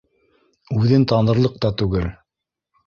Үҙен танырлыҡ та түгел